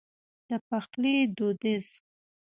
د پخلي دوديز